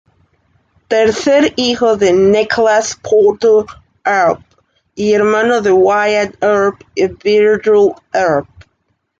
Tercer hijo de Nicholas Porter Earp y hermano de Wyatt Earp y Virgil Earp.